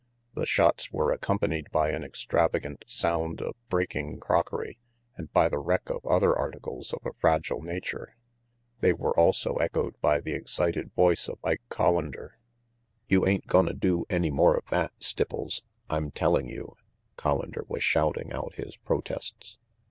The shots were accompanied by an extravagant sound of breaking crockery and by the wreck of other articles of a fragile nature. They were also echoed by the excited voice of Ike Collander. "You ain't gonna do any more of that, Stipples, I'm telling you!" Collander was shouting out his protests.